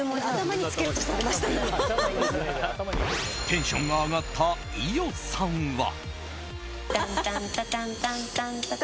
テンションが上がった伊代さんは。